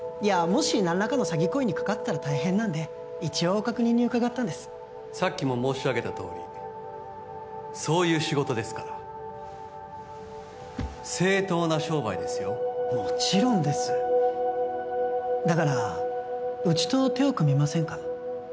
もし何らかの詐欺行為に関わってたら大変なんで一応確認に伺ったんですさっきも申し上げたとおりそういう仕事ですから正当な商売ですよもちろんですだからうちと手を組みませんか？